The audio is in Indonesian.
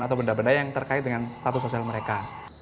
atau benda benda yang terkait dengan status sosial mereka